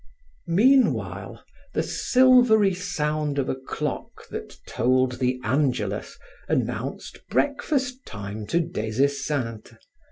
Meanwhile the silvery sound of a clock that tolled the angelus announced breakfast time to Des Esseintes.